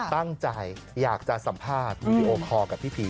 ตั้งใจอยากจะสัมภาษณ์วีดีโอคอลกับพี่ผี